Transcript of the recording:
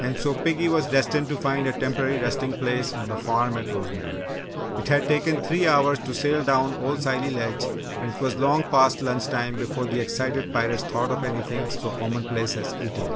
And so piggy was destined to find a temporary resting place on the farm at Rosemary. It had taken three hours to sail down to Old Scilly Ledge and it was long past lunch time before the excited pirates thought of anything so commonplace as eating!